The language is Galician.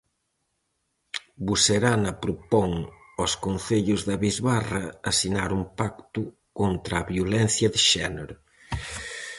Buserana propón aos concellos da bisbarra asinar un pacto contra a violencia de xénero.